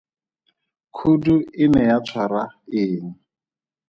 Khudu e ne ya tshwara eng?